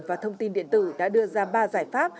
và thông tin điện tử đã đưa ra ba giải pháp